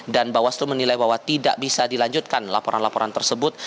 dan bawaslu menilai bahwa tidak bisa dilanjutkan laporan laporan tersebut